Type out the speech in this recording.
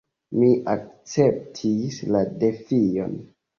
Mi akceptis la defion.